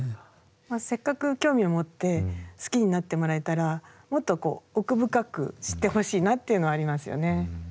せっかく興味を持って好きになってもらえたらもっとこう奥深く知ってほしいなっていうのはありますよね。